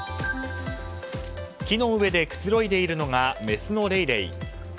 木の上でくつろいでいるのがメスのレイレイ。